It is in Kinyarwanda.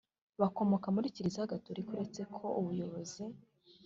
bakomoka muri kiliziya gatolika uretse ko ubuyobozi